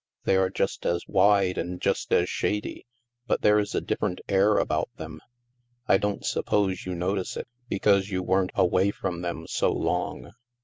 They are just as wide and just as shady, but there is a different air about them. I don't suppose you notice it, because you weren't away from them so long.'